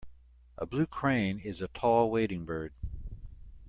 A blue crane is a tall wading bird.